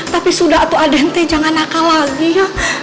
tapi sudah tuh den jangan nakal lagi ya